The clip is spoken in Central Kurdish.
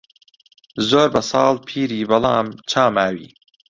زۆر بە ساڵ پیری بەڵام چا ماوی